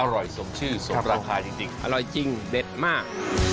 สมชื่อสมราคาจริงอร่อยจริงเด็ดมาก